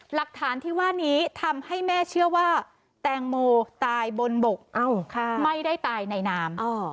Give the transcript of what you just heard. หลักฐานที่ว่านี้ทำให้แม่เชื่อว่าแตงโมตายบนบกไม่ได้ตายในน้ำ